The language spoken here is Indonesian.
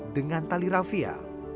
dengan tali rafia